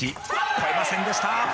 越えませんでした。